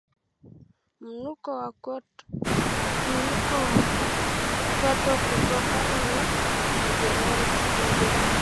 Mnuko wa kwato kutokana na majeraha